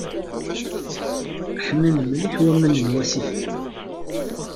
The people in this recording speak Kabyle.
Ḥman mliḥ waman n wasif-nni.